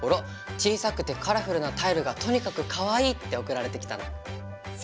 小さくてカラフルなタイルがとにかくかわいいって送られてきたんだ。